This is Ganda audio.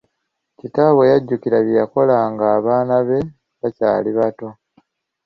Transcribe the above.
Kitaabwe yajjukira bye yakola nga abaana be bakyali bato.